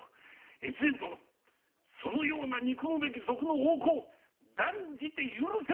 越前殿そのような憎むべき賊の横行断じて許せませんぞ！